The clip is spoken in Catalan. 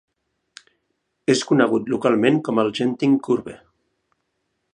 És conegut localment com el "Genting Curve".